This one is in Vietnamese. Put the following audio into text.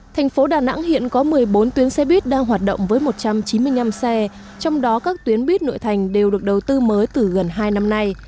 thành phố đà nẵng hiện có một mươi bốn tuyến xe buýt đang hoạt động với một trăm chín mươi năm xe trong đó các tuyến buýt nội thành đều được đầu tư mới từ gần hai năm nay